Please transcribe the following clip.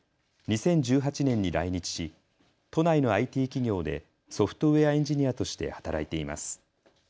２０１８年に来日し都内のＩＴ企業でソフトウエアエンジニアとして働いています。